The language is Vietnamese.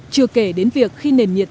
chưa kể đến việc khi nền nhiệt